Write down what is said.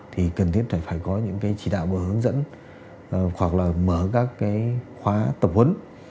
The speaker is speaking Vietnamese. thì cần thiết phải có những cái chỉ đạo và hướng dẫn hoặc là mở các cái khóa tập huấn